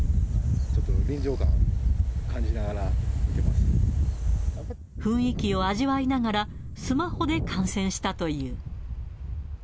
ちょっと臨場感、感じながら見て雰囲気を味わいながら、スマホで観戦したという。